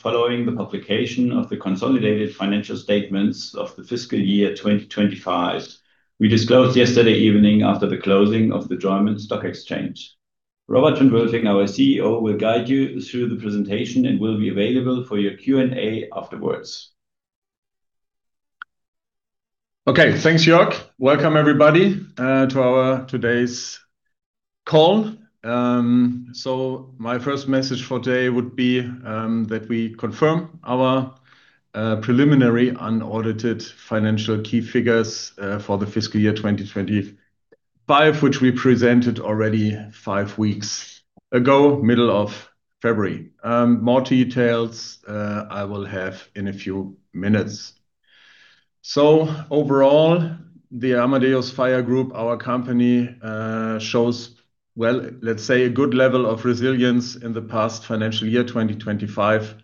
Following the publication of the consolidated financial statements of the fiscal year 2025. We disclosed yesterday evening after the closing of the German Stock Exchange. Robert von Wülfing, our CEO, will guide you through the presentation and will be available for your Q&A afterwards. Okay. Thanks, Jörg. Welcome everybody to today's call. My first message for today would be that we confirm our preliminary unaudited financial key figures for the fiscal year 2025 which we presented already five weeks ago, middle of February. More details I will have in a few minutes. Overall, the Amadeus FiRe Group, our company, shows, well, let's say a good level of resilience in the past financial year 2025,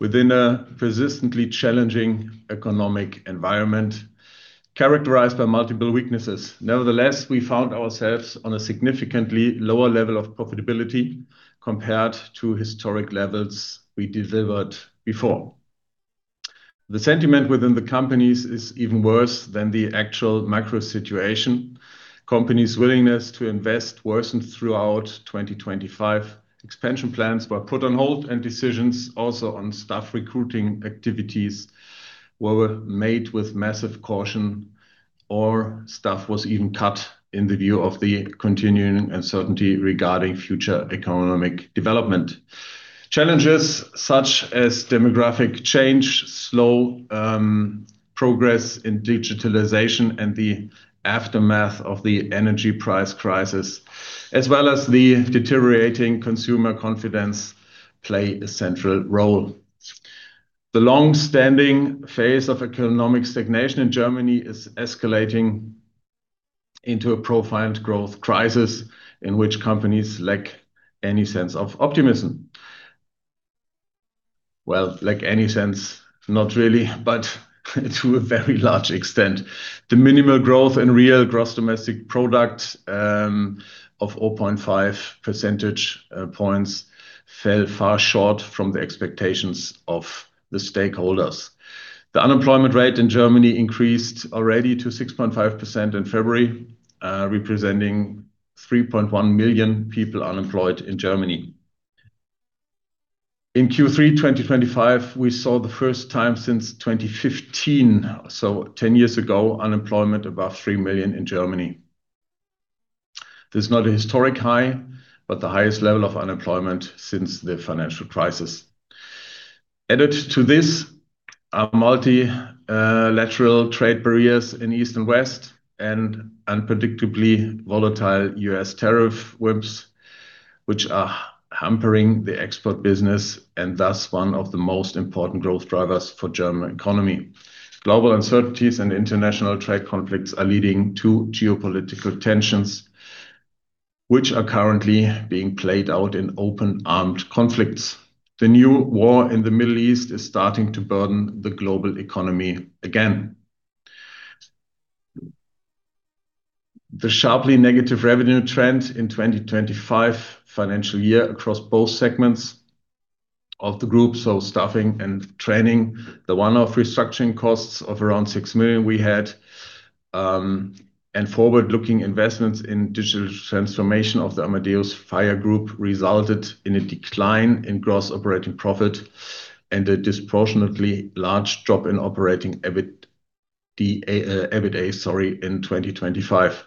within a persistently challenging economic environment characterized by multiple weaknesses. Nevertheless, we found ourselves on a significantly lower level of profitability compared to historic levels we delivered before. The sentiment within the companies is even worse than the actual macro situation. Companies' willingness to invest worsened throughout 2025. Expansion plans were put on hold and decisions also on staff recruiting activities were made with massive caution or staff was even cut in the view of the continuing uncertainty regarding future economic development. Challenges such as demographic change, slow progress in digitalization and the aftermath of the energy price crisis, as well as the deteriorating consumer confidence play a central role. The long-standing phase of economic stagnation in Germany is escalating into a profound growth crisis in which companies lack any sense of optimism. Well, lack any sense, not really, but to a very large extent. The minimal growth in real gross domestic product of 0.5 percentage points fell far short of the expectations of the stakeholders. The unemployment rate in Germany increased already to 6.5% in February, representing 3.1 million people unemployed in Germany. In Q3 2025, we saw the first time since 2015, so 10 years ago, unemployment above 3 million in Germany. This is not a historic high, but the highest level of unemployment since the financial crisis. Added to this are multilateral trade barriers in East and West and unpredictably volatile U.S. tariff whips, which are hampering the export business and thus one of the most important growth drivers for German economy. Global uncertainties and international trade conflicts are leading to geopolitical tensions, which are currently being played out in open armed conflicts. The new war in the Middle East is starting to burden the global economy again. The sharply negative revenue trend in 2025 financial year across both segments of the group, so staffing and training, the one-off restructuring costs of around 6 million we had, and forward-looking investments in digital transformation of the Amadeus FiRe Group resulted in a decline in gross operating profit and a disproportionately large drop in operating EBITDA in 2025.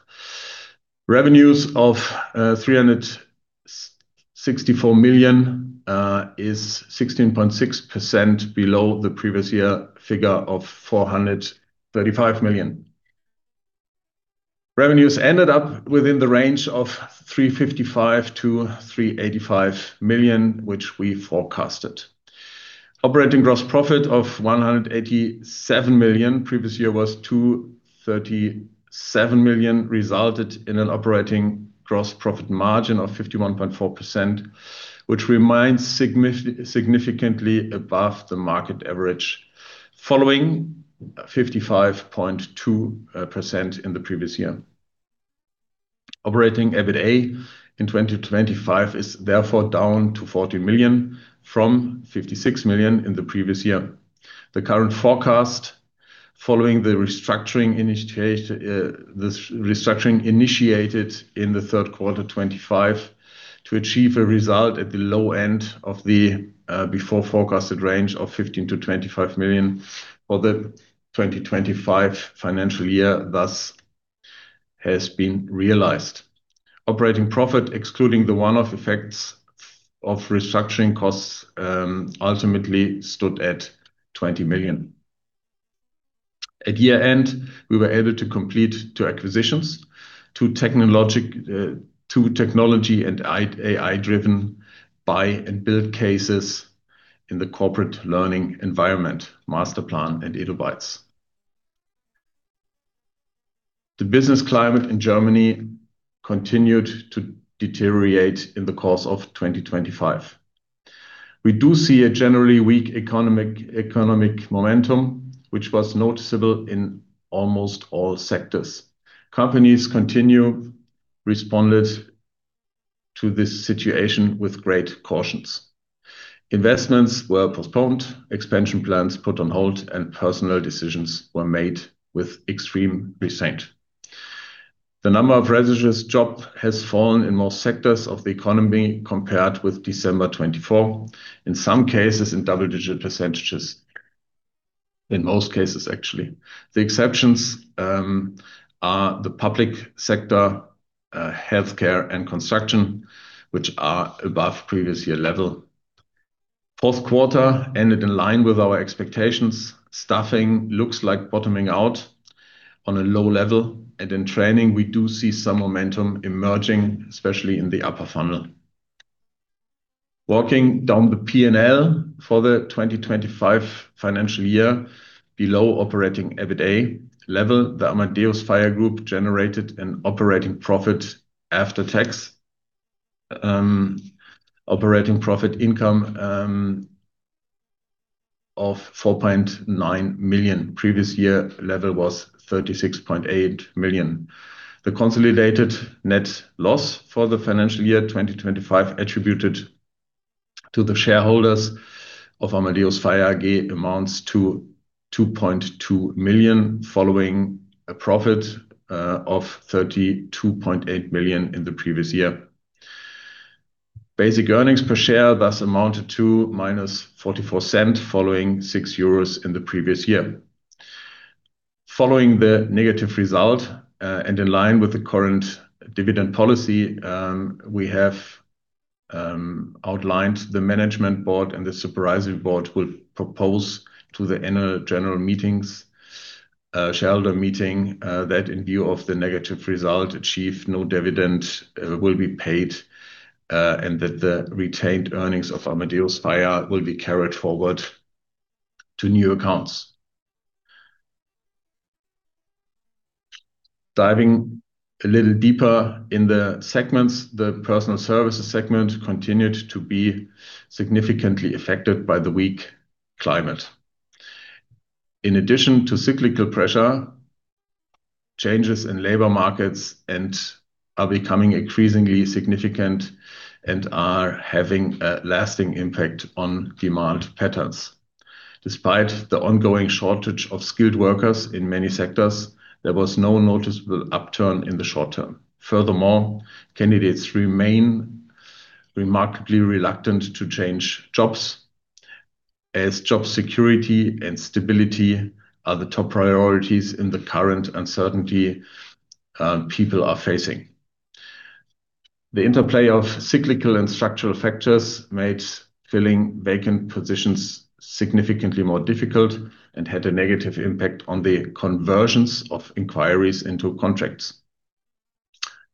Revenues of 364 million is 16.6% below the previous year figure of 435 million. Revenues ended up within the range of 355 million-385 million, which we forecasted. Operating gross profit of 187 million, previous year was 237 million, resulted in an operating gross profit margin of 51.4%, which remains significantly above the market average following 55.2% in the previous year. Operating EBITDA in 2025 is therefore down to 40 million from 56 million in the previous year. The current forecast following the restructuring initiated in the 3rd quarter 2025 to achieve a result at the low end of the before forecasted range of 15 million-25 million for the 2025 financial year thus has been realized. Operating profit, excluding the one-off effects of restructuring costs, ultimately stood at 20 million. At year-end, we were able to complete two acquisitions, two technology and AI-driven buy-and-build cases in the corporate learning environment, Masterplan and eduBITES. The business climate in Germany continued to deteriorate in the course of 2025. We do see a generally weak economic momentum, which was noticeable in almost all sectors. Companies continued to respond to this situation with great caution. Investments were postponed, expansion plans put on hold, and personal decisions were made with extreme restraint. The number of registered jobs has fallen in most sectors of the economy compared with December 2024, in some cases in double-digit percentages. In most cases, actually. The exceptions are the public sector, healthcare, and construction, which are above previous year level. Fourth quarter ended in line with our expectations. Staffing looks like bottoming out on a low level, and in training, we do see some momentum emerging, especially in the upper funnel. Walking down the P&L for the 2025 financial year, below operating EBITDA level, the Amadeus FiRe Group generated an operating profit after tax of 4.9 million. Previous year level was 36.8 million. The consolidated net loss for the financial year 2025 attributed to the shareholders of Amadeus FiRe AG amounts to 2.2 million, following a profit of 32.8 million in the previous year. Basic earnings per share thus amounted to -0.44 EUR, following 6 euros in the previous year. Following the negative result and in line with the current dividend policy, we have outlined the Management Board and the Supervisory Board will propose to the annual general meeting that in view of the negative result achieved, no dividend will be paid and that the retained earnings of Amadeus FiRe will be carried forward to new accounts. Diving a little deeper in the segments, the Personnel Services segment continued to be significantly affected by the weak climate. In addition to cyclical pressure, changes in labor markets are becoming increasingly significant and are having a lasting impact on demand patterns. Despite the ongoing shortage of skilled workers in many sectors, there was no noticeable upturn in the short term. Furthermore, candidates remain remarkably reluctant to change jobs as job security and stability are the top priorities in the current uncertainty people are facing. The interplay of cyclical and structural factors made filling vacant positions significantly more difficult and had a negative impact on the conversions of inquiries into contracts.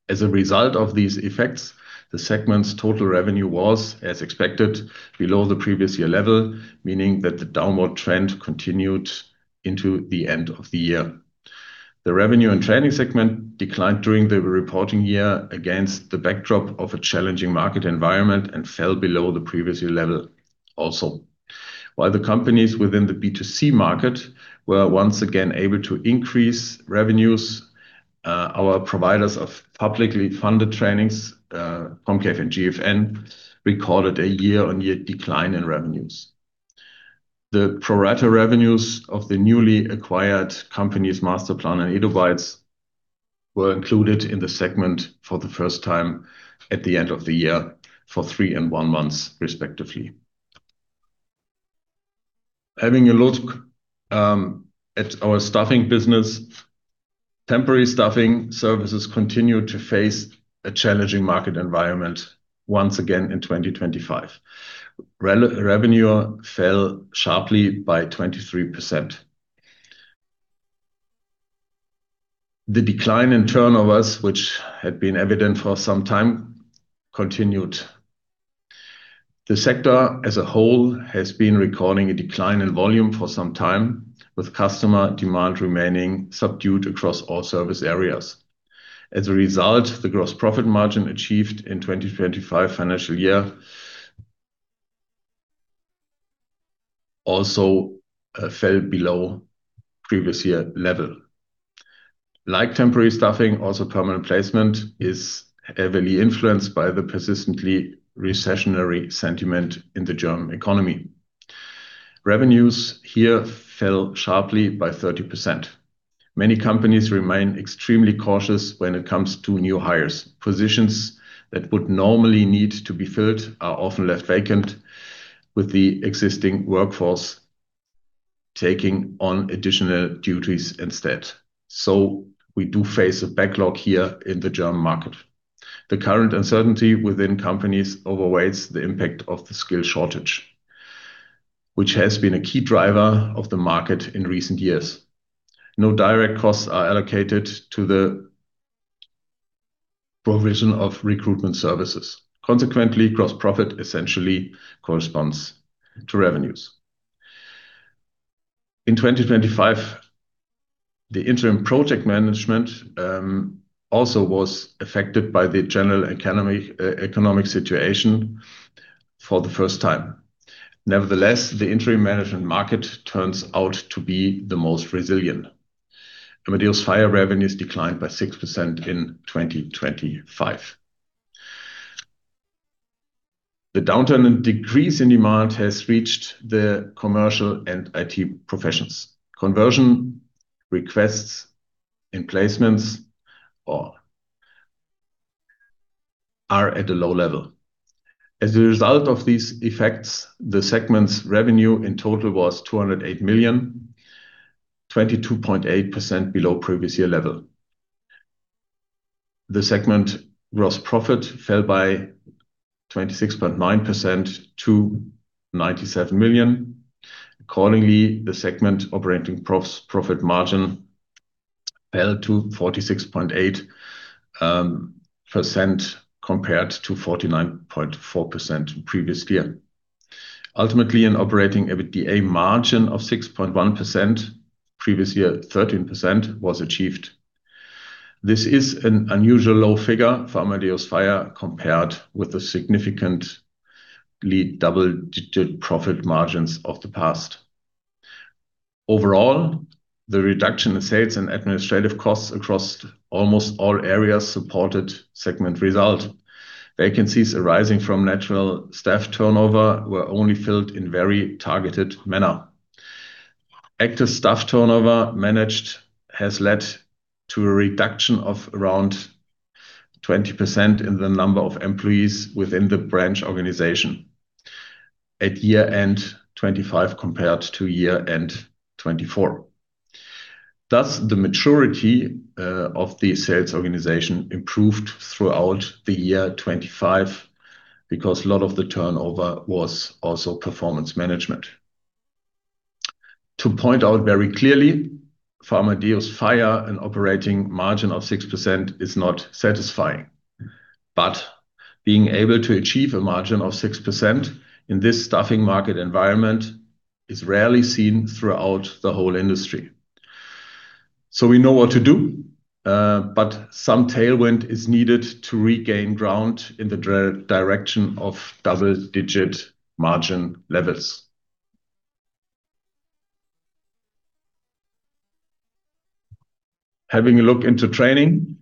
As a result of these effects, the segment's total revenue was, as expected, below the previous year level, meaning that the downward trend continued into the end of the year. The Training segment declined during the reporting year against the backdrop of a challenging market environment and fell below the previous year level also. While the companies within the B2C market were once again able to increase revenues, our providers of publicly funded trainings, Comcave and GFN, recorded a year-on-year decline in revenues. The pro rata revenues of the newly acquired companies, Masterplan and eduBITES, were included in the segment for the first time at the end of the year for three and one month, respectively. Having a look at our staffing business, temporary staffing services continued to face a challenging market environment once again in 2025. Revenue fell sharply by 23%. The decline in turnovers, which had been evident for some time, continued. The sector as a whole has been recording a decline in volume for some time, with customer demand remaining subdued across all service areas. As a result, the gross profit margin achieved in 2025 financial year also fell below previous year level. Like temporary staffing, also permanent placement is heavily influenced by the persistently recessionary sentiment in the German economy. Revenues here fell sharply by 30%. Many companies remain extremely cautious when it comes to new hires. Positions that would normally need to be filled are often left vacant, with the existing workforce taking on additional duties instead. We do face a backlog here in the German market. The current uncertainty within companies outweighs the impact of the skill shortage, which has been a key driver of the market in recent years. No direct costs are allocated to the provision of recruitment services. Consequently, gross profit essentially corresponds to revenues. In 2025, the interim management also was affected by the general economic situation for the first time. Nevertheless, the interim management market turns out to be the most resilient. Amadeus FiRe revenues declined by 6% in 2025. The downturn and decrease in demand has reached the commercial and IT professions. Conversion requests and placements are at a low level. As a result of these effects, the segment's revenue in total was 208 million, 22.8% below previous year level. The segment gross profit fell by 26.9% to 97 million. Accordingly, the segment operating profit margin fell to 46.8% compared to 49.4% previous year. Ultimately, an operating EBITDA margin of 6.1%, previous year 13% was achieved. This is an unusual low figure for Amadeus FiRe compared with the significantly double-digit profit margins of the past. Overall, the reduction in sales and administrative costs across almost all areas supported segment result. Vacancies arising from natural staff turnover were only filled in very targeted manner. Active staff turnover management has led to a reduction of around 20% in the number of employees within the branch organization at year-end 2025 compared to year-end 2024. Thus, the maturity of the sales organization improved throughout the year 2025 because a lot of the turnover was also performance management. To point out very clearly, for Amadeus FiRe, an operating margin of 6% is not satisfying. Being able to achieve a margin of 6% in this staffing market environment is rarely seen throughout the whole industry. We know what to do, but some tailwind is needed to regain ground in the direction of double-digit margin levels. Having a look into training.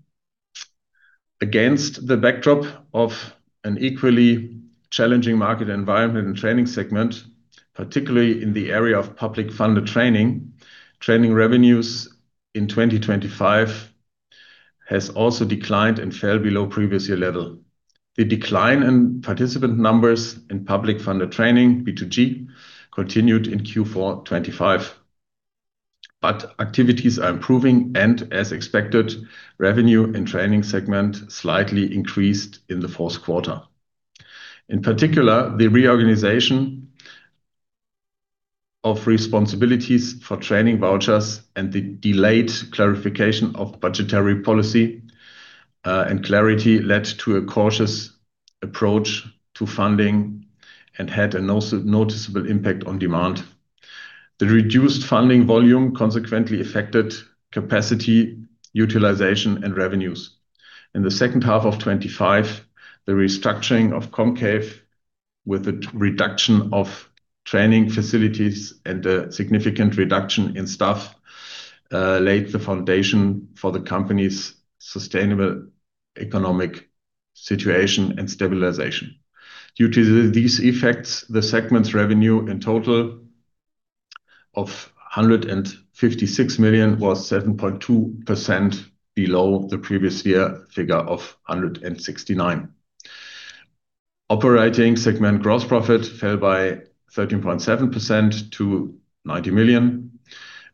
Against the backdrop of an equally challenging market environment and training segment, particularly in the area of publicly funded training revenues in 2025 has also declined and fell below previous year level. The decline in participant numbers in publicly funded training, B2G, continued in Q4 2025. Activities are improving and, as expected, revenue and training segment slightly increased in the fourth quarter. In particular, the reorganization of responsibilities for training vouchers and the delayed clarification of budgetary policy and clarity led to a cautious approach to funding and had a noticeable impact on demand. The reduced funding volume consequently affected capacity, utilization, and revenues. In the second half of 2025, the restructuring of Comcave with the reduction of training facilities and a significant reduction in staff laid the foundation for the company's sustainable economic situation and stabilization. Due to these effects, the segment's revenue in total of 156 million was 7.2% below the previous year figure of 169. Operating segment gross profit fell by 13.7% to 90 million.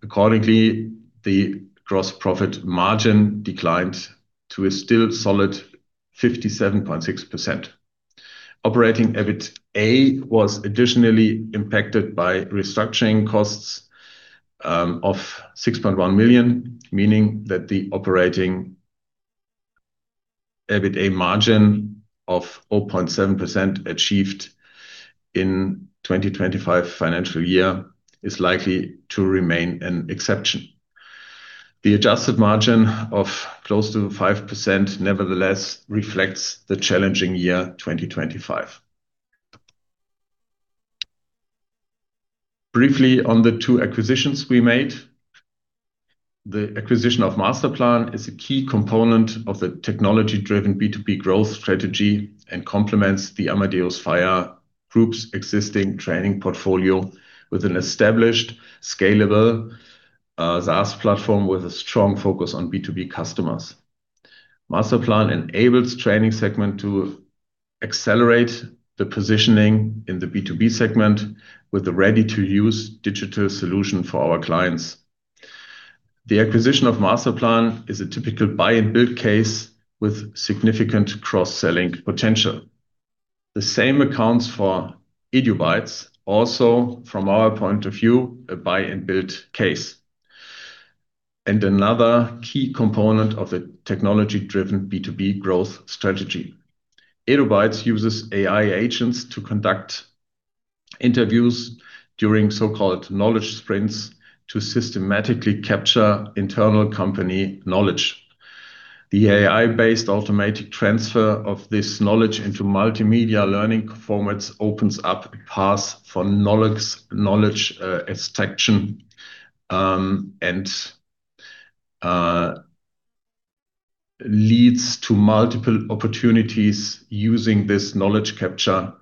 Accordingly, the gross profit margin declined to a still solid 57.6%. Operating EBITDA was additionally impacted by restructuring costs of 6.1 million, meaning that the operating EBITDA margin of 0.7% achieved in 2025 financial year is likely to remain an exception. The adjusted margin of close to 5% nevertheless reflects the challenging year, 2025. Briefly on the two acquisitions we made. The acquisition of Masterplan is a key component of the technology-driven B2B growth strategy and complements the Amadeus FiRe Group's existing training portfolio with an established, scalable, SaaS platform with a strong focus on B2B customers. Masterplan enables training segment to accelerate the positioning in the B2B segment with a ready-to-use digital solution for our clients. The acquisition of Masterplan is a typical buy and build case with significant cross-selling potential. The same accounts for eduBITES, also from our point of view, a buy and build case, and another key component of the technology-driven B2B growth strategy. eduBITES uses AI agents to conduct interviews during so-called Knowledge Sprints to systematically capture internal company knowledge. The AI-based automatic transfer of this knowledge into multimedia learning formats opens up paths for knowledge extraction and leads to multiple opportunities using this knowledge capture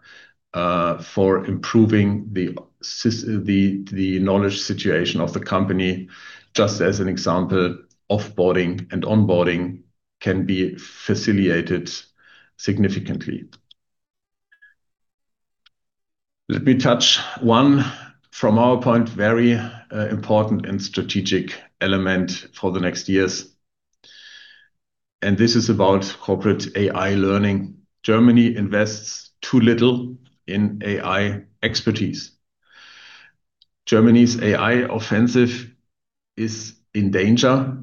for improving the knowledge situation of the company. Just as an example, off-boarding and on-boarding can be facilitated significantly. Let me touch one from our point, very important and strategic element for the next years, and this is about Corporate AI Learning. Germany invests too little in AI expertise. Germany's AI offensive is in danger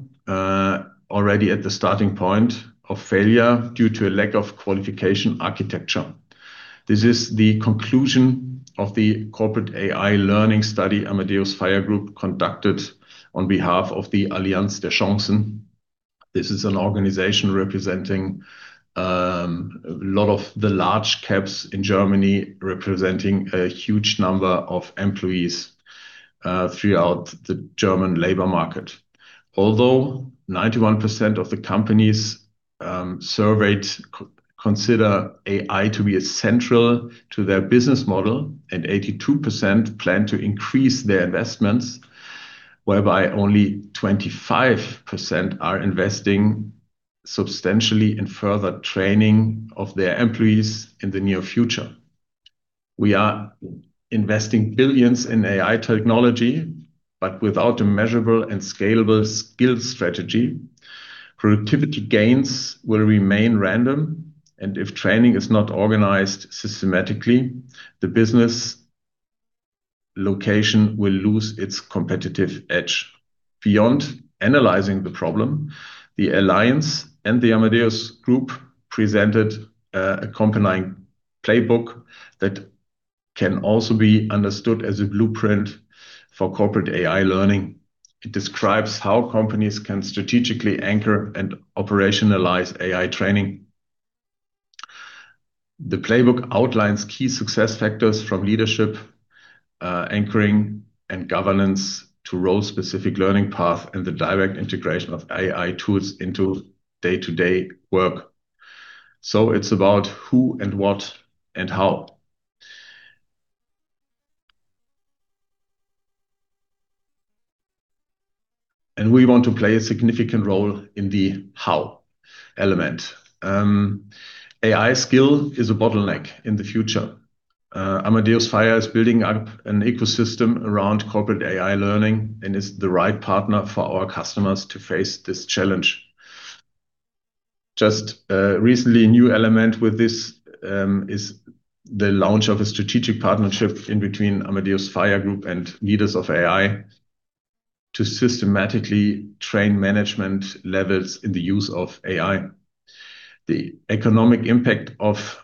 already at the starting point of failure due to a lack of qualification architecture. This is the conclusion of the Corporate AI Learning study Amadeus FiRe Group conducted on behalf of the Allianz der Chancen. This is an organization representing a lot of the large caps in Germany, representing a huge number of employees throughout the German labor market. Although 91% of the companies surveyed consider AI to be essential to their business model, and 82% plan to increase their investments, whereby only 25% are investing substantially in further training of their employees in the near future. We are investing billions in AI technology, but without a measurable and scalable skills strategy, productivity gains will remain random, and if training is not organized systematically, the business location will lose its competitive edge. Beyond analyzing the problem, the Allianz der Chancen and the Amadeus FiRe Group presented an accompanying playbook that can also be understood as a blueprint for Corporate AI Learning. It describes how companies can strategically anchor and operationalize AI training. The playbook outlines key success factors from leadership, anchoring and governance to role-specific learning path and the direct integration of AI tools into day-to-day work. It's about who and what and how. We want to play a significant role in the how element. AI skill is a bottleneck in the future. Amadeus FiRe is building up an ecosystem around Corporate AI Learning and is the right partner for our customers to face this challenge. Just recently, a new element with this is the launch of a strategic partnership between Amadeus FiRe Group and Leaders of AI to systematically train management levels in the use of AI. The economic impact of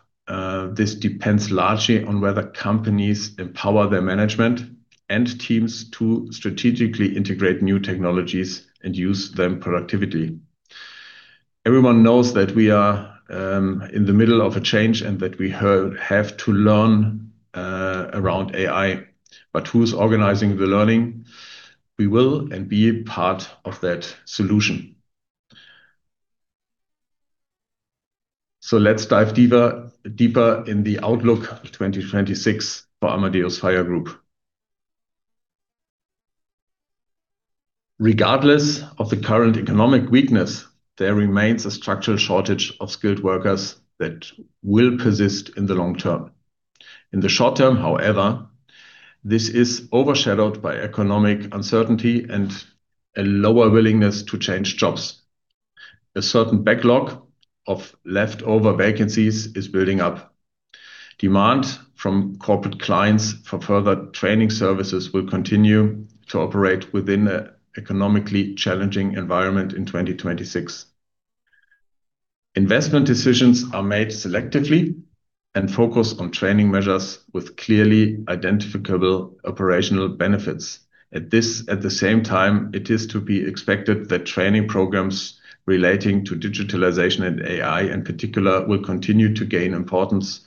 this depends largely on whether companies empower their management and teams to strategically integrate new technologies and use them productively. Everyone knows that we are in the middle of a change and that we have to learn about AI, but who's organizing the learning? We will be a part of that solution. Let's dive deeper in the outlook 2026 for Amadeus FiRe Group. Regardless of the current economic weakness, there remains a structural shortage of skilled workers that will persist in the long term. In the short term, however, this is overshadowed by economic uncertainty and a lower willingness to change jobs. A certain backlog of leftover vacancies is building up. Demand from corporate clients for further training services will continue to operate within the economically challenging environment in 2026. Investment decisions are made selectively and focus on training measures with clearly identifiable operational benefits. At the same time, it is to be expected that training programs relating to digitalization and AI, in particular, will continue to gain importance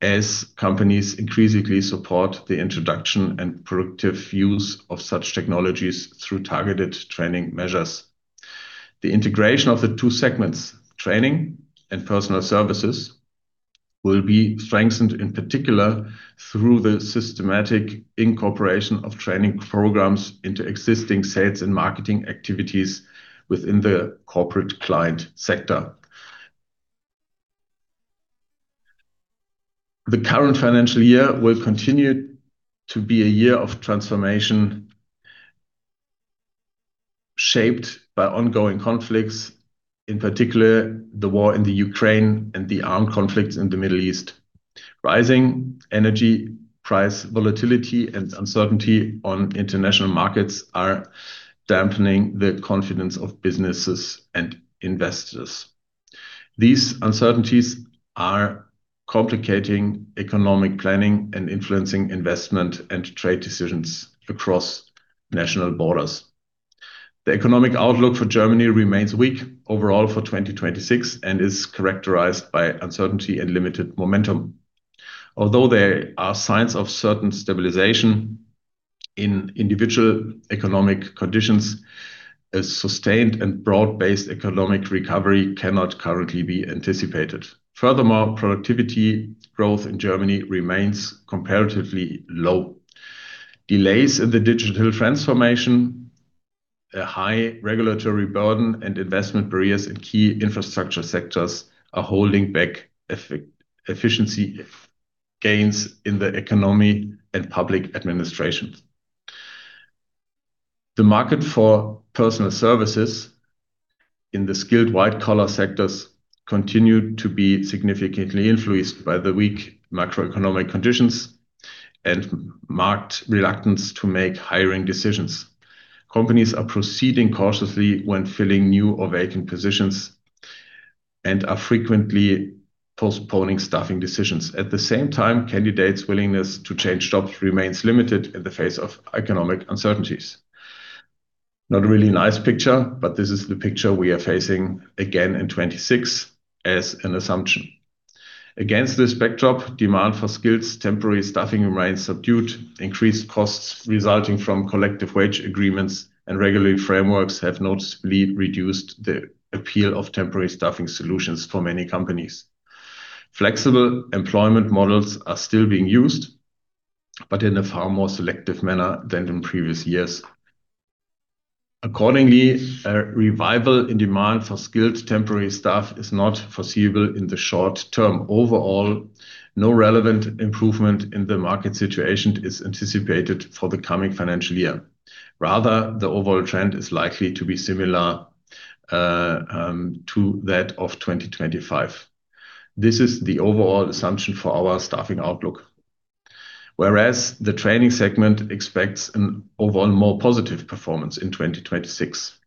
as companies increasingly support the introduction and productive use of such technologies through targeted training measures. The integration of the two segments, Training and Personnel Services, will be strengthened, in particular, through the systematic incorporation of training programs into existing sales and marketing activities within the corporate client sector. The current financial year will continue to be a year of transformation shaped by ongoing conflicts, in particular, the war in the Ukraine and the armed conflicts in the Middle East. Rising energy price volatility and uncertainty on international markets are dampening the confidence of businesses and investors. These uncertainties are complicating economic planning and influencing investment and trade decisions across national borders. The economic outlook for Germany remains weak overall for 2026 and is characterized by uncertainty and limited momentum. Although there are signs of certain stabilization in individual economic conditions, a sustained and broad-based economic recovery cannot currently be anticipated. Furthermore, productivity growth in Germany remains comparatively low. Delays in the digital transformation, a high regulatory burden, and investment barriers in key infrastructure sectors are holding back efficiency gains in the economy and public administrations. The market for personnel services in the skilled white-collar sectors continued to be significantly influenced by the weak macroeconomic conditions and marked reluctance to make hiring decisions. Companies are proceeding cautiously when filling new or vacant positions and are frequently postponing staffing decisions. At the same time, candidates' willingness to change jobs remains limited in the face of economic uncertainties. Not a really nice picture, but this is the picture we are facing again in 2026 as an assumption. Against this backdrop, demand for skilled temporary staffing remains subdued. Increased costs resulting from collective wage agreements and regulatory frameworks have noticeably reduced the appeal of temporary staffing solutions for many companies. Flexible employment models are still being used, but in a far more selective manner than in previous years. Accordingly, a revival in demand for skilled temporary staff is not foreseeable in the short term. Overall, no relevant improvement in the market situation is anticipated for the coming financial year. Rather, the overall trend is likely to be similar to that of 2025. This is the overall assumption for our staffing outlook, whereas the training segment expects an overall more positive performance in 2026.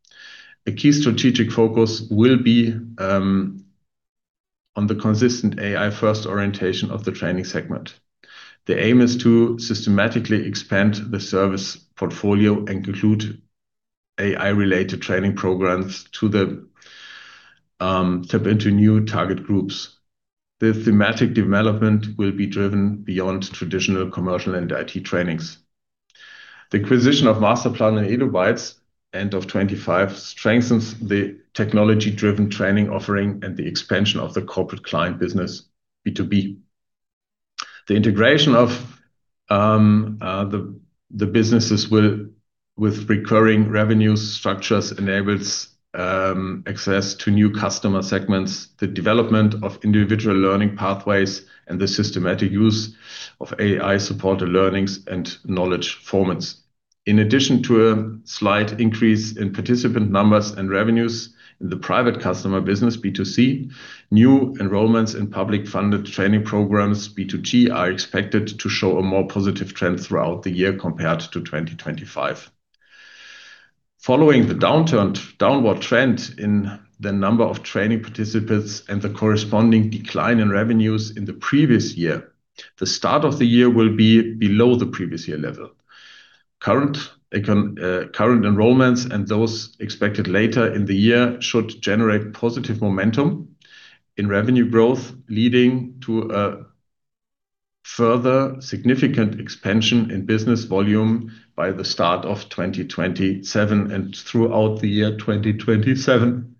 A key strategic focus will be on the consistent AI-first orientation of the Training segment. The aim is to systematically expand the service portfolio and include AI-related training programs to tap into new target groups. The thematic development will be driven beyond traditional commercial and IT trainings. The acquisition of Masterplan and eduBITES end of 2025 strengthens the technology-driven training offering and the expansion of the corporate client business B2B. The integration of the businesses with recurring revenue structures enables access to new customer segments, the development of individual learning pathways, and the systematic use of AI-supported learnings and knowledge formats. In addition to a slight increase in participant numbers and revenues in the private customer business B2C, new enrollments in public-funded training programs B2G are expected to show a more positive trend throughout the year compared to 2025. Following the downward trend in the number of training participants and the corresponding decline in revenues in the previous year, the start of the year will be below the previous year level. Current enrollments and those expected later in the year should generate positive momentum in revenue growth, leading to a further significant expansion in business volume by the start of 2027 and throughout the year 2027.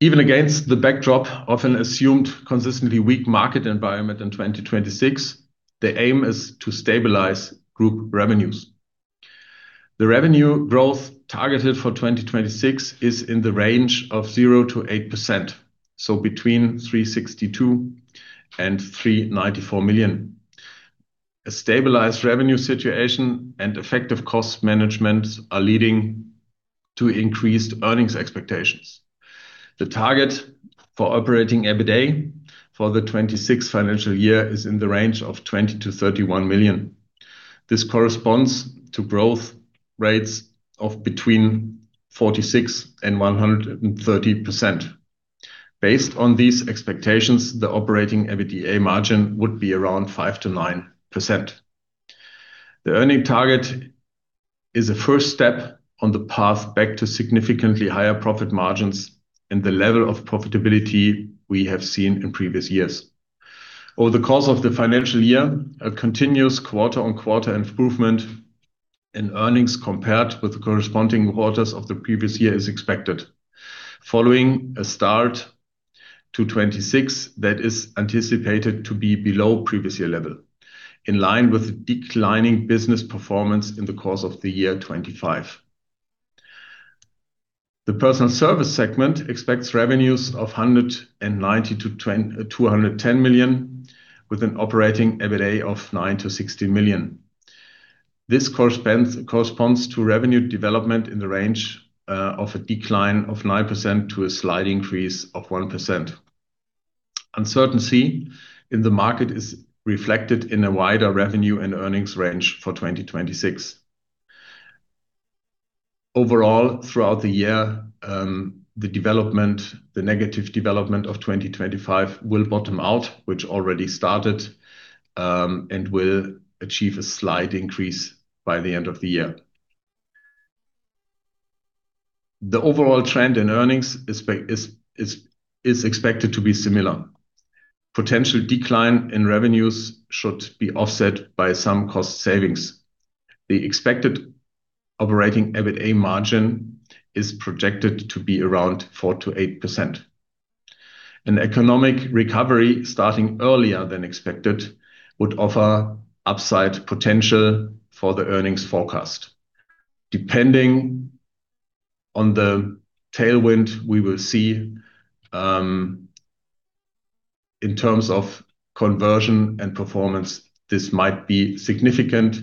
Even against the backdrop of an assumed consistently weak market environment in 2026, the aim is to stabilize group revenues. The revenue growth targeted for 2026 is in the range of 0%-8%, so between 362 million and 394 million. A stabilized revenue situation and effective cost management are leading to increased earnings expectations. The target for operating EBITDA for the 2026 financial year is in the range of 20 million-31 million. This corresponds to growth rates of between 46% and 130%. Based on these expectations, the operating EBITDA margin would be around 5%-9%. The earnings target is a first step on the path back to significantly higher profit margins and the level of profitability we have seen in previous years. Over the course of the financial year, a continuous quarter-on-quarter improvement in earnings compared with the corresponding quarters of the previous year is expected. Following a start to 2026 that is anticipated to be below previous year level, in line with declining business performance in the course of the year 2025. The Personnel Services segment expects revenues of 190 million-210 million, with an operating EBITDA of 9 million-60 million. This corresponds to revenue development in the range of a decline of 9% to a slight increase of 1%. Uncertainty in the market is reflected in a wider revenue and earnings range for 2026. Overall, throughout the year, the development, the negative development of 2025 will bottom out, which already started, and will achieve a slight increase by the end of the year. The overall trend in earnings is expected to be similar. Potential decline in revenues should be offset by some cost savings. The expected operating EBITDA margin is projected to be around 4%-8%. An economic recovery starting earlier than expected would offer upside potential for the earnings forecast. Depending on the tailwind we will see in terms of conversion and performance, this might be significant.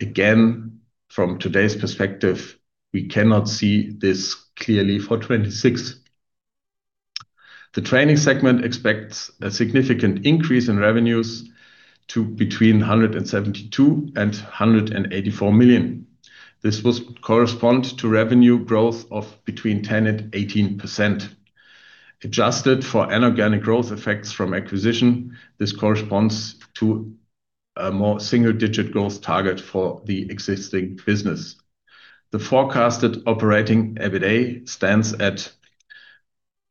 Again, from today's perspective, we cannot see this clearly for 2026. The training segment expects a significant increase in revenues to between 172 million and 184 million. This will correspond to revenue growth of between 10% and 18%. Adjusted for inorganic growth effects from acquisition, this corresponds to a more single-digit growth target for the existing business. The forecasted operating EBITDA stands at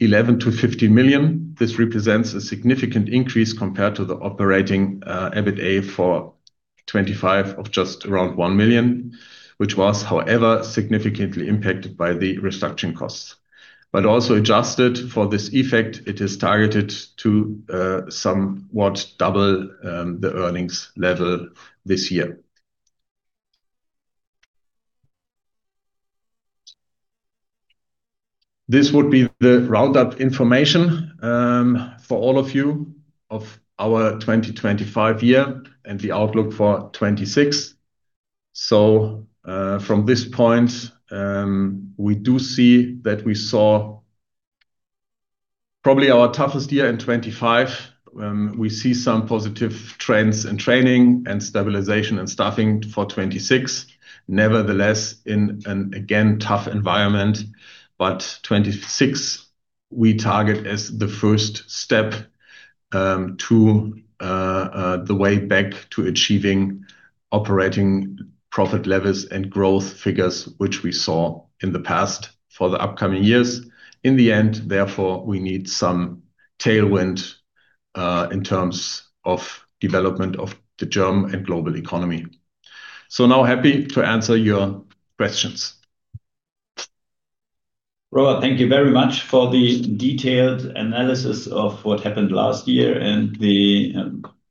11 million-15 million. This represents a significant increase compared to the operating EBITDA for 2025 of just around 1 million, which was, however, significantly impacted by the restructuring costs. Also adjusted for this effect, it is targeted to somewhat double the earnings level this year. This would be the roundup information for all of you of our 2025 year and the outlook for 2026. From this point, we do see that we saw probably our toughest year in 2025. We see some positive trends in training and stabilization and staffing for 2026. Nevertheless, in an again, tough environment. 2026, we target as the first step to the way back to achieving operating profit levels and growth figures, which we saw in the past for the upcoming years. In the end, therefore, we need some tailwind in terms of development of the German and global economy. Now I'm happy to answer your questions. Robert, thank you very much for the detailed analysis of what happened last year and the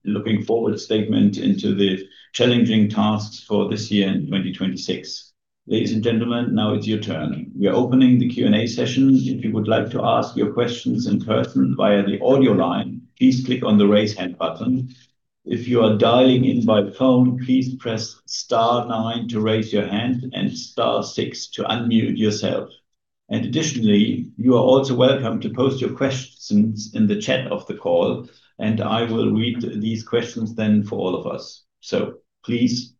looking forward statement into the challenging tasks for this year in 2026. Ladies and gentlemen, now it's your turn. We are opening the Q&A session. If you would like to ask your questions in person via the audio line, please click on the Raise Hand button. If you are dialing in by phone, please press star nine to raise your hand and star six to unmute yourself. And additionally, you are also welcome to post your questions in the chat of the call, and I will read these questions then for all of us. Please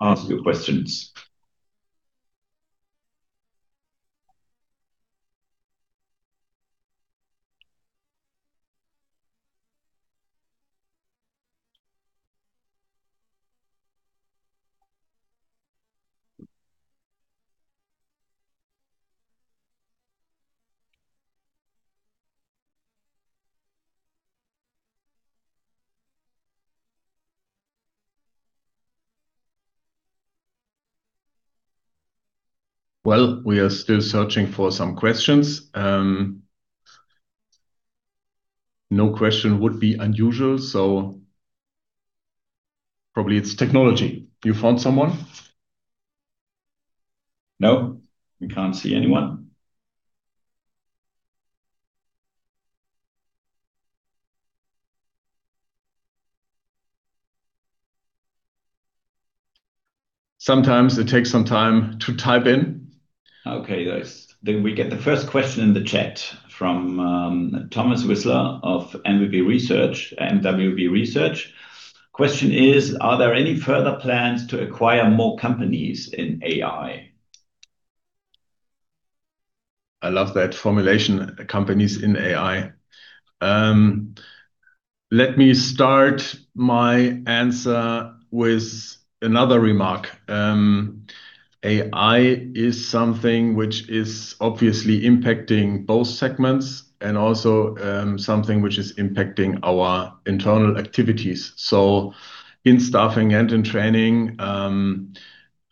ask your questions. Well, we are still searching for some questions. No question would be unusual, so probably it's technology. You found someone? No, we can't see anyone. Sometimes it takes some time to type in. Okay. We get the first question in the chat from Thomas Wissler of MWB Research. Question is, are there any further plans to acquire more companies in AI? I love that formulation, companies in AI. Let me start my answer with another remark. AI is something which is obviously impacting both segments and also something which is impacting our internal activities. In staffing and in training,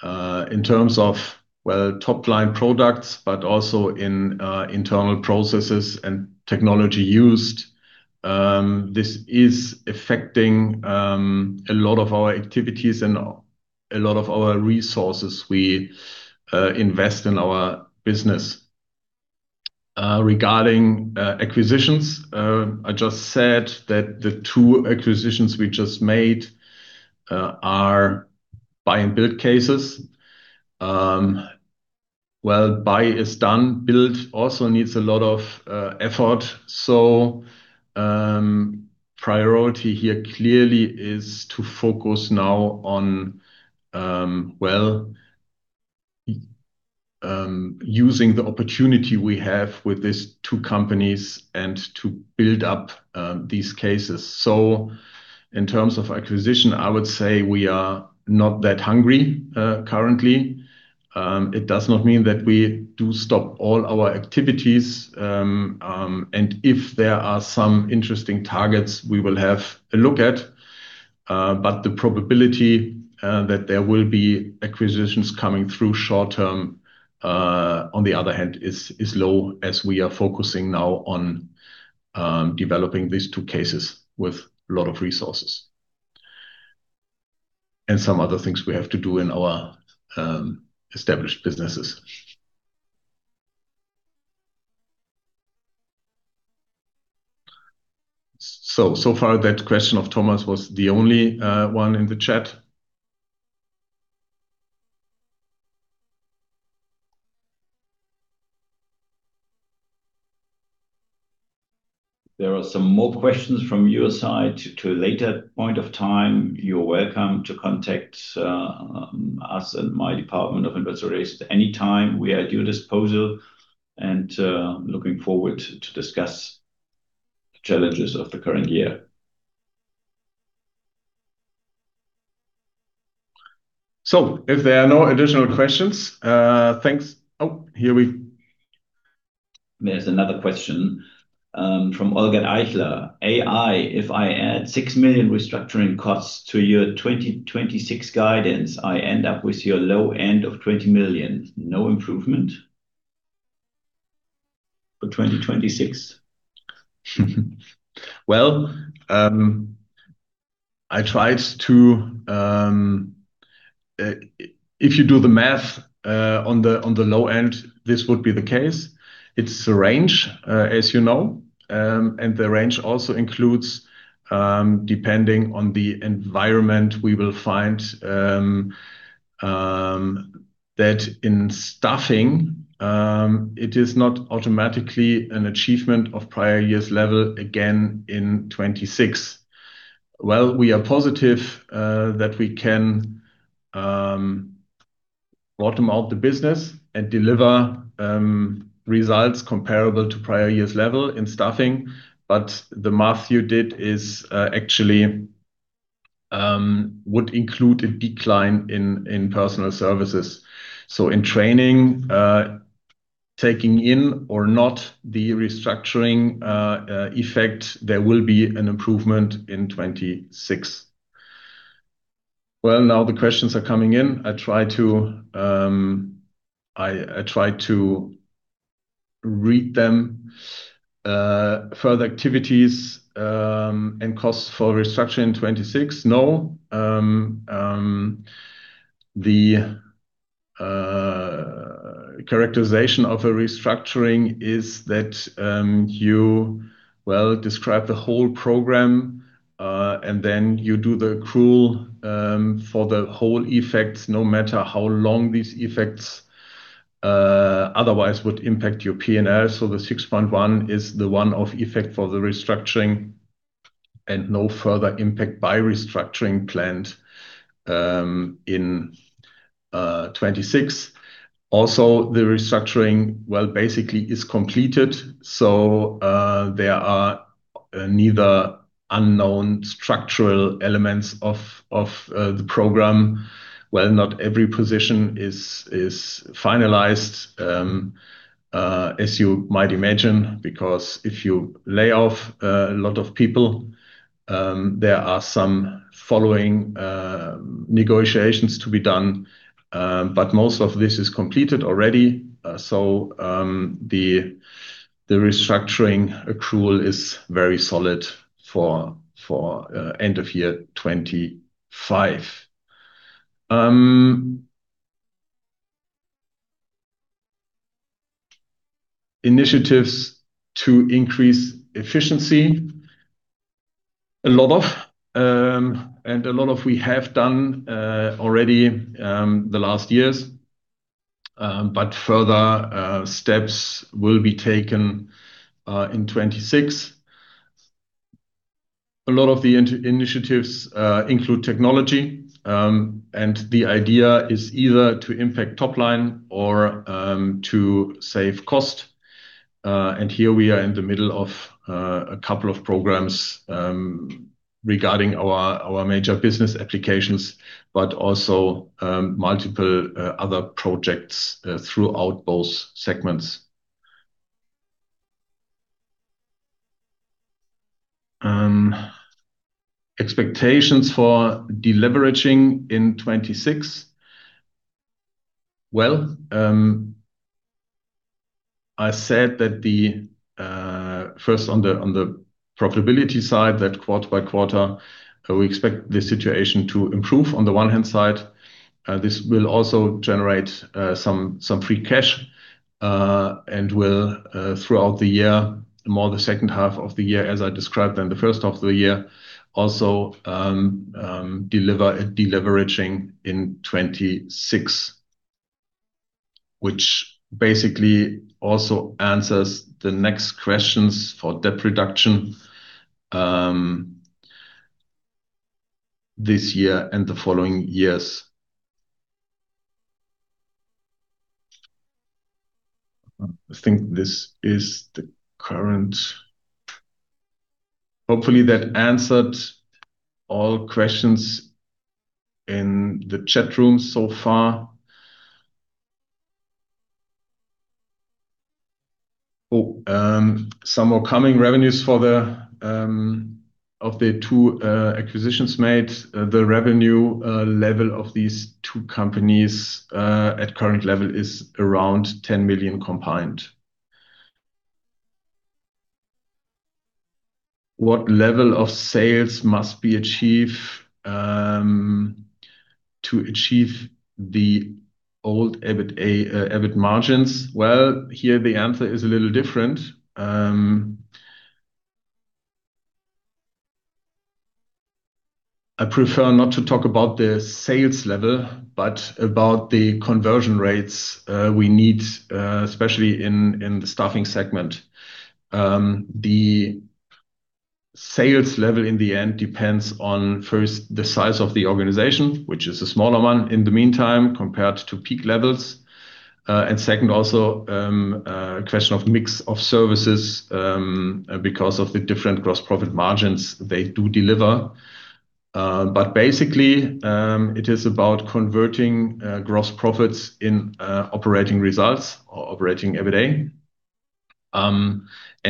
in terms of, well, top-line products, but also in internal processes and technology used, this is affecting a lot of our activities and a lot of our resources we invest in our business. Regarding acquisitions, I just said that the two acquisitions we just made are buy and build cases. Well, buy is done. Build also needs a lot of effort. Priority here clearly is to focus now on, well, using the opportunity we have with these two companies and to build up these cases. In terms of acquisition, I would say we are not that hungry, currently. It does not mean that we do stop all our activities. If there are some interesting targets, we will have a look at. The probability that there will be acquisitions coming through short-term, on the other hand, is low as we are focusing now on developing these two cases with a lot of resources. Some other things we have to do in our established businesses. So far, that question of Thomas was the only one in the chat. There are some more questions from your side to a later point of time. You're welcome to contact us and my department of Investor Relations at any time. We are at your disposal and looking forward to discuss challenges of the current year. If there are no additional questions, thanks. Oh, there's another question from Holger Eichler. AI, if I add 6 million restructuring costs to your 2026 guidance, I end up with your low end of 20 million. No improvement for 2026? Well, I tried to. If you do the math on the low end, this would be the case. It's a range, as you know, and the range also includes, depending on the environment we will find, that in staffing it is not automatically an achievement of prior year's level again in 2026Well, we are positive that we can bottom out the business and deliver results comparable to prior year's level in staffing. The math you did is actually would include a decline in personnel services. In training, taking in or not the restructuring effect, there will be an improvement in 2026. Well, now the questions are coming in. I try to read them. Further activities and costs for restructuring in 2026. No. The characterization of a restructuring is that you well, describe the whole program and then you do the accrual for the whole effects, no matter how long these effects otherwise would impact your P&L. The 6.1 is the one-off effect for the restructuring and no further impact by restructuring planned in 2026. Also, the restructuring basically is completed. There are neither unknown structural elements of the program. Not every position is finalized as you might imagine, because if you lay off a lot of people, there are some following negotiations to be done. Most of this is completed already. The restructuring accrual is very solid for end of year 2025. Initiatives to increase efficiency. A lot of and a lot of we have done already the last years. Further steps will be taken in 2026. A lot of the initiatives include technology, and the idea is either to impact top line or to save cost. Here we are in the middle of a couple of programs regarding our major business applications, but also multiple other projects throughout both segments. Expectations for deleveraging in 2026. Well, I said that the first on the profitability side, that quarter by quarter, we expect the situation to improve on the one-hand side. This will also generate some free cash and will throughout the year, more the 2nd half of the year as I described than the first half of the year, also deliver a deleveraging in 2026. Which basically also answers the next questions for debt reduction this year and the following years. Hopefully, that answered all questions in the chat room so far. Some more coming. Revenues of the two acquisitions made. The revenue level of these two companies at current level is around 10 million combined. What level of sales must be achieved to achieve the old EBITDA, EBIT margins? Well, here the answer is a little different. I prefer not to talk about the sales level, but about the conversion rates we need, especially in the staffing segment. The sales level in the end depends on first the size of the organization, which is a smaller one in the meantime compared to peak levels. Second also a question of mix of services because of the different gross profit margins they do deliver. But basically, it is about converting gross profits into operating results or operating EBITDA.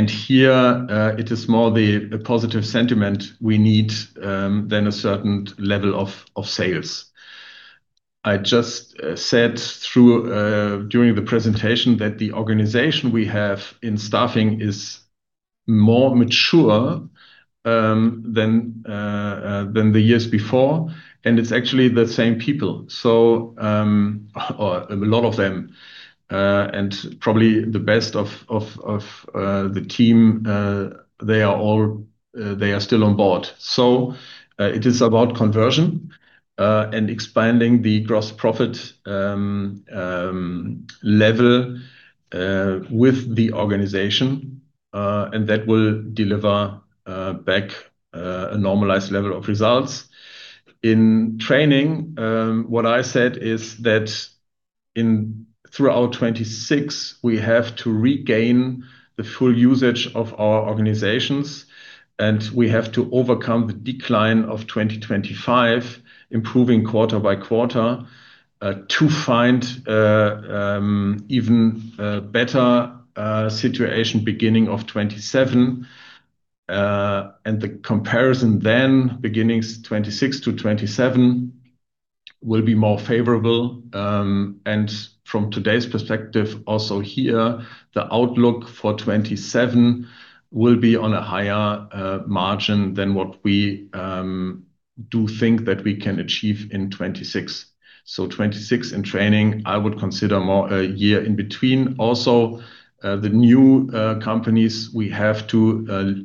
Here, it is more the positive sentiment we need than a certain level of sales. I just said during the presentation that the organization we have in staffing is more mature than the years before, and it's actually the same people, or a lot of them, and probably the best of the team; they are still on board. It is about conversion and expanding the gross profit level with the organization, and that will deliver back a normalized level of results. In Training, what I said is that throughout 2026, we have to regain the full usage of our organizations, and we have to overcome the decline of 2025, improving quarter by quarter, to find even better situation beginning of 2027. The comparison then beginning 2026-2027 will be more favorable. From today's perspective also here, the outlook for 2027 will be on a higher margin than what we do think that we can achieve in 2026. 2026 in Training, I would consider more a year in between. Also, the new companies we have to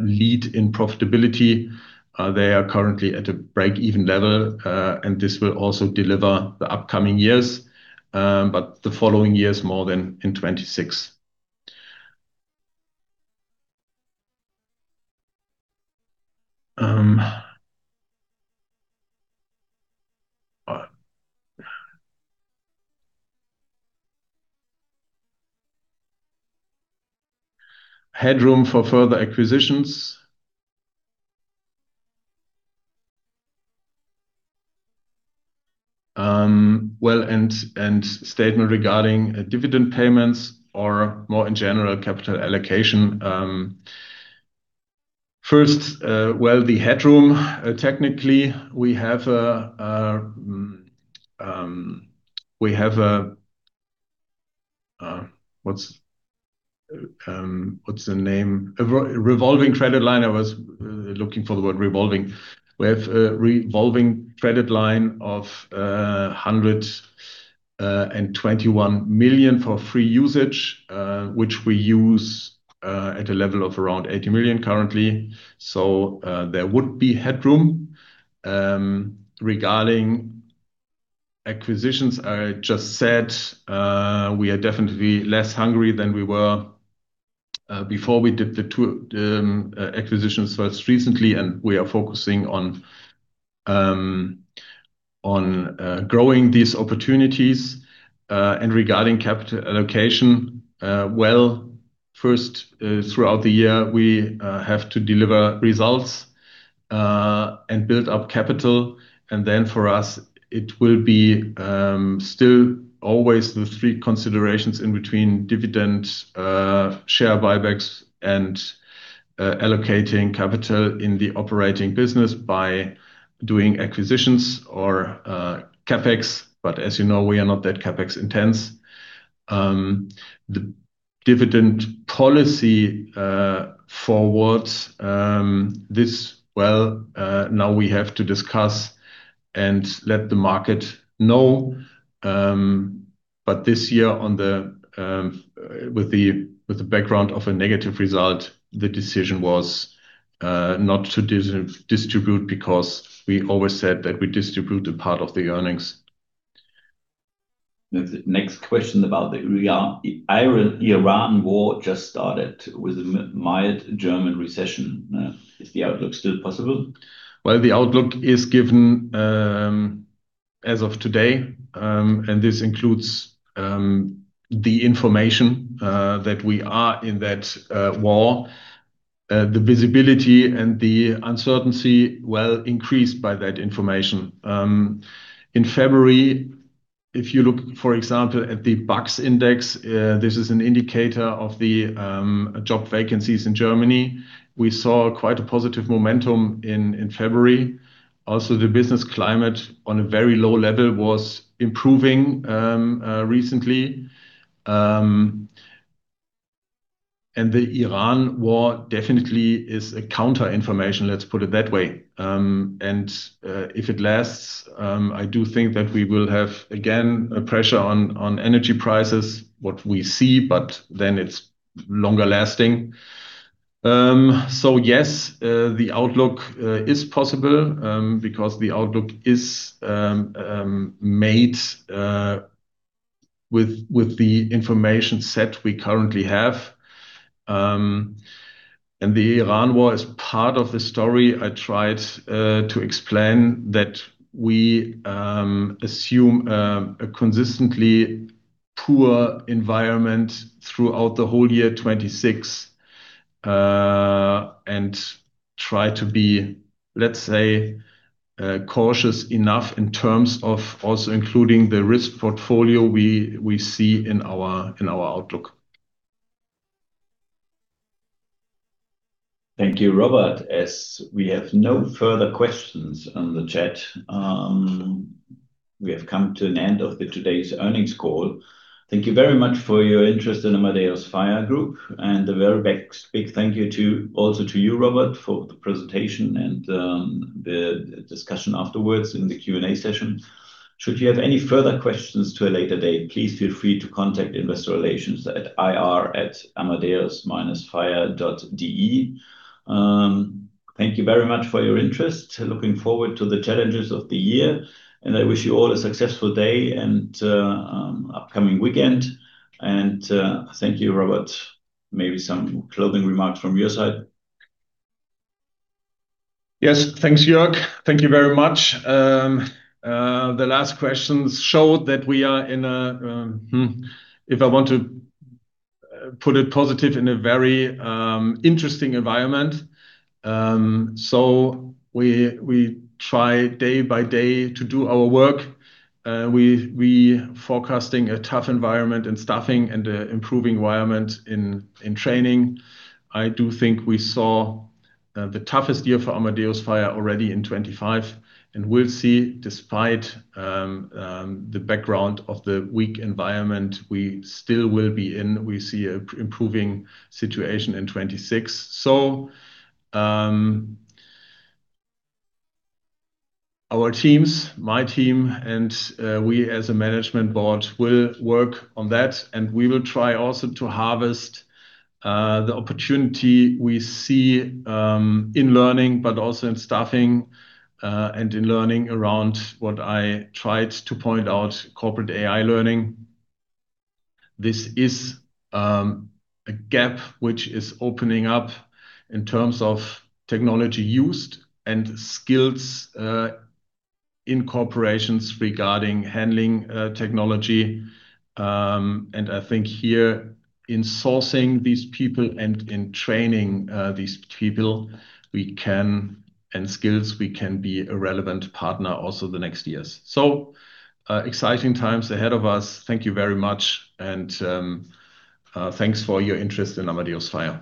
lead in profitability. They are currently at a break-even level, and this will also develop in the upcoming years, but the following years more than in 2026. Headroom for further acquisitions. Well, and statement regarding dividend payments or more in general capital allocation. First, well, the headroom, technically we have a, we have a, what's the name? A revolving credit line. I was looking for the word revolving. We have a revolving credit line of 121 million for free usage, which we use at a level of around 80 million currently. There would be headroom. Regarding acquisitions, I just said we are definitely less hungry than we were before we did the two acquisitions most recently, and we are focusing on growing these opportunities. Regarding capital allocation, well, first, throughout the year, we have to deliver results and build up capital. For us, it will be still always the three considerations in between dividends, share buybacks, and allocating capital in the operating business by doing acquisitions or CapEx. As you know, we are not that CapEx intense. The dividend policy for this. Well, now we have to discuss and let the market know. This year, with the background of a negative result, the decision was not to distribute because we always said that we distribute a part of the earnings. The next question about the Iran-Iraq war just started with a mild German recession. Is the outlook still possible? Well, the outlook is given as of today, and this includes the information that we are in that war. The visibility and the uncertainty, well, increased by that information. In February, if you look, for example, at the BA-X index, this is an indicator of the job vacancies in Germany. We saw quite a positive momentum in February. Also, the business climate on a very low level was improving recently. The Iran war definitely is a counter-information, let's put it that way. If it lasts, I do think that we will have again a pressure on energy prices, what we see, but then it's longer lasting. Yes, the outlook is possible because the outlook is made with the information set we currently have. The Iran war is part of the story. I tried to explain that we assume a consistently poor environment throughout the whole year 2026 and try to be, let's say, cautious enough in terms of also including the risk portfolio we see in our outlook. Thank you, Robert. As we have no further questions on the chat, we have come to the end of today's earnings call. Thank you very much for your interest in Amadeus FiRe Group and a very big, big thank you to, also to you, Robert, for the presentation and the discussion afterwards in the Q&A session. Should you have any further questions at a later date, please feel free to contact investor relations at ir@amadeus-FiRe.de. Thank you very much for your interest. Looking forward to the challenges of the year, and I wish you all a successful day and upcoming weekend. Thank you, Robert. Maybe some closing remarks from your side. Yes. Thanks, Jörg. Thank you very much. The last questions showed that we are in a, if I want to put it positive, in a very interesting environment. We try day by day to do our work. We forecasting a tough environment in staffing and a improving environment in training. I do think we saw the toughest year for Amadeus FiRe already in 2025. We'll see despite the background of the weak environment we still will be in, we see a improving situation in 2026. Our teams, my team and we as a management board will work on that, and we will try also to harvest the opportunity we see in learning, but also in staffing and in learning around what I tried to point out, Corporate AI Learning. This is a gap which is opening up in terms of technology used and skills in corporations regarding handling technology. I think here in sourcing these people and in training these people and skills, we can be a relevant partner also the next years. Exciting times ahead of us. Thank you very much and thanks for your interest in Amadeus FiRe.